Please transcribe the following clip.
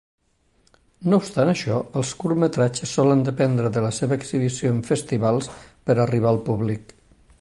No obstant això, els curtmetratges solen dependre de la seva exhibició en festivals per arribar al públic.